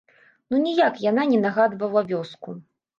Ну ніяк яна не нагадвала вёску!